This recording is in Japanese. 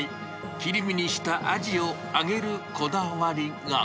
切り身にしたアジを揚げるこだわりが。